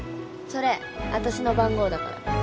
それ私の番号だから。